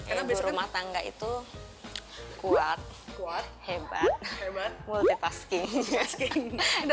ibu rumah tangga itu kuat hebat multitasking